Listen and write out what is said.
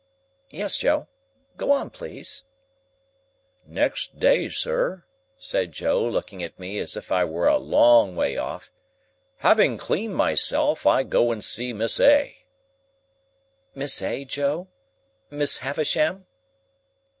"Yes, Joe? Go on, please." "Next day, sir," said Joe, looking at me as if I were a long way off, "having cleaned myself, I go and I see Miss A." "Miss A., Joe? Miss Havisham?"